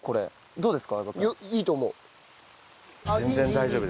どうですか？